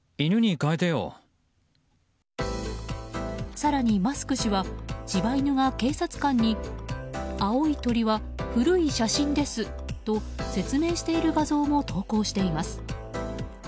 更にマスク氏は柴犬が、警察官に青い鳥は古い写真ですと説明している画像も投稿しています。